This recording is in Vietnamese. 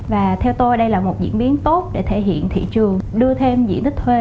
và theo tôi đây là một diễn biến tốt để thể hiện thị trường đưa thêm diện tích thuê